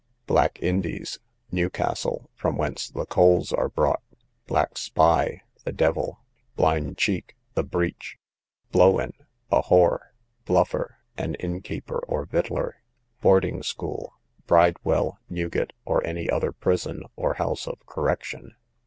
Black Indies, Newcastle, from whence the coals are brought. Black spy, the devil. Blind cheek, the breech. Blowen, a whore. Bluffer, an innkeeper, or victualler. Boarding school, Bridewell, Newgate, or any other prison, or house of correction.